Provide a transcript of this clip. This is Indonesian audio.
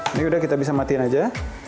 ini udah kita bisa matiin aja